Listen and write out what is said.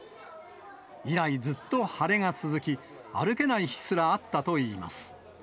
以来ずっと腫れが続き、歩けない日すらあったといいます。